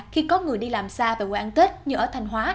khi có người đi làm xa về quê ăn tết như ở thanh hóa